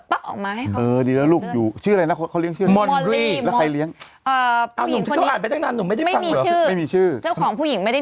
เออดีแล้วลูกอยู่ชื่ออะไรนะเขาเลี้ยงชื่ออะไร